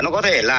nó có thể là